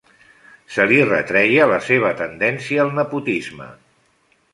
Se li retreia la seva tendència al nepotisme.